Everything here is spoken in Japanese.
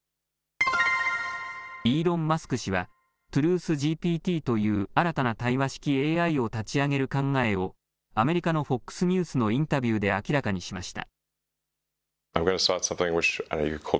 イーロン・マスク氏は、ＴｒｕｔｈＧＰＴという新たな対話式ＡＩを立ち上げる考えを、アメリカのＦＯＸニュースのインタビューで明らかにしました。